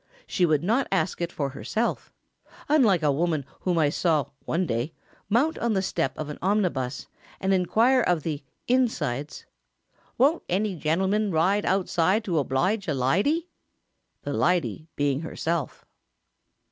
She would not ask it for herself; unlike a woman whom I saw, one day, mount on the step of an omnibus and inquire of the "insides," "Won't any genelman ride outside to oblige a lydy?" the "lydy" being herself.